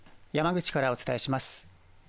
山口からお伝えします。